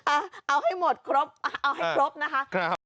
เอาให้หมดครบเอาให้ครบนะคะ